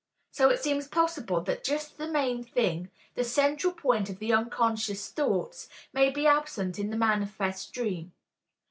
So it seems possible that just the main thing, the central point of the unconscious thoughts, may be absent in the manifest dream.